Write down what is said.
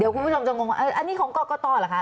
เดี๋ยวคุณผู้ชมจะงงว่าอันนี้ของเกาะเกาะต่อหรือคะ